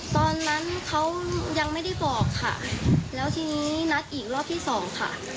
ตอนนั้นเขายังไม่ได้บอกค่ะแล้วทีนี้นัดอีกรอบที่สองค่ะ